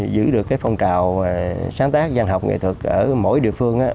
giữ được cái phong trào sáng tác văn học nghệ thuật ở mỗi địa phương